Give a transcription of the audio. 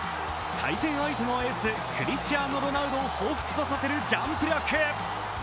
対戦相手のエース、クリスチアーノ・ロナウドをほうふつとさせるジャンプ力。